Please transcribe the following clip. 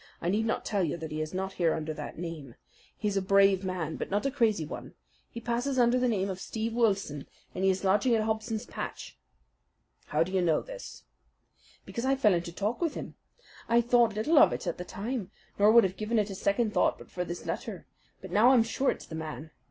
"I need not tell you that he is not here under that name. He's a brave man, but not a crazy one. He passes under the name of Steve Wilson, and he is lodging at Hobson's Patch." "How do you know this?" "Because I fell into talk with him. I thought little of it at the time, nor would have given it a second thought but for this letter; but now I'm sure it's the man.